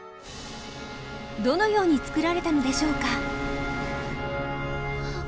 どのように作られたのでしょうか？